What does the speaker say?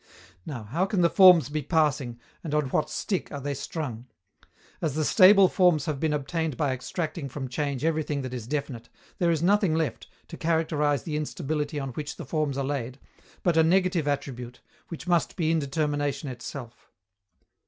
Now, how can the forms be passing, and on what "stick" are they strung? As the stable forms have been obtained by extracting from change everything that is definite, there is nothing left, to characterize the instability on which the forms are laid, but a negative attribute, which must be indetermination itself.